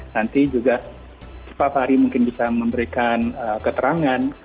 nanti juga sepapah hari mungkin bisa memberikan keterangan